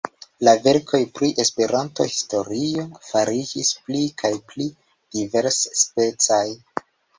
La verkoj pri Esperanto-historio fariĝis pli kaj pli diversspecaj.